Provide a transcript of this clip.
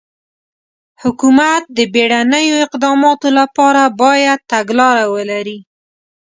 حکومت د بېړنیو اقداماتو لپاره باید تګلاره ولري.